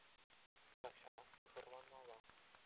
Тахҫанах мӑшӑрланмалла.